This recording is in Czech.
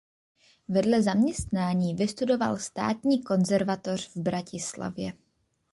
Vedle zaměstnání vystudoval Státní konzervatoř v Bratislavě.